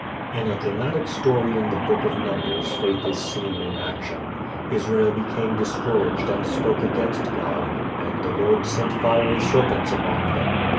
In a dramatic story in the Book of Numbers faith is seen in action. Israel became discouraged and spoke against God, and the Lord sent fiery serpents among them.